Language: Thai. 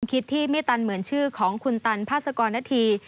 คิดที่ไม่ตันเหมือนชื่อของคุณตันพาสกรณฑี